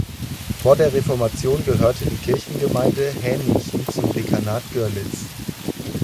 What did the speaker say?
Vor der Reformation gehörte die Kirchengemeinde Hähnichen zum Dekanat Görlitz.